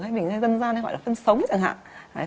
hay dân gian gọi là phân sống chẳng hạn